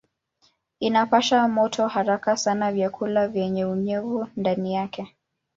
Inapasha moto haraka sana vyakula vyenye unyevu ndani yake.